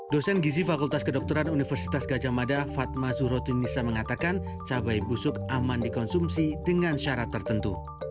dosen gizi fakultas kedokteran universitas gajah mada fatma zurotunisa mengatakan cabai busuk aman dikonsumsi dengan syarat tertentu